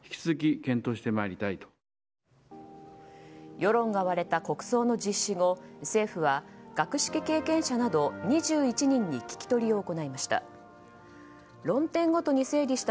世論が割れた国葬の実施後政府は、学識経験者など２１人に聴き取りを行いました。